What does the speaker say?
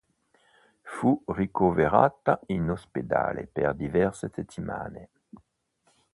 Fu ricoverata in ospedale per diverse settimane.